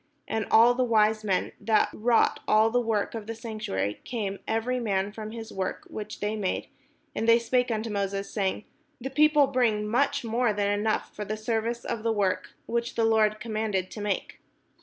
And all the wise men, that wrought all the work of the sanctuary, came every man from his work which they made; and they spake unto Moses, saying: "The people bring much more than enough for the service of the work, which the Lord commanded to make."